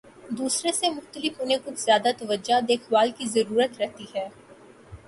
دوسرے سے مختلف، انہیں کچھ زیادہ توجہ، دیکھ بھال کی ضرورت رہتی ہے۔